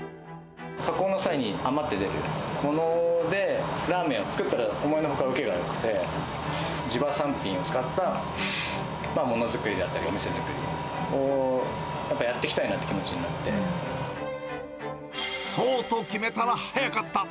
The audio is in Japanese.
加工の際に余って出るものでラーメンを作ったら、思いのほか受けがよくて、地場産品を使ったものづくりだったりお店作りをやっぱやっていきそうと決めたら早かった。